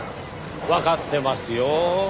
わかってますよ。